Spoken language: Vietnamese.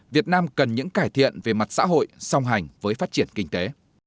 việt nam cần những cải thiện về mặt xã hội song hành với phát triển kinh tế